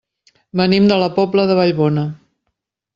Venim de la Pobla de Vallbona.